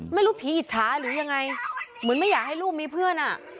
ไม่รู้ผีอิจฉาหรือยังไงเหมือนไม่อยากให้ลูกมีเพื่อนอ่ะ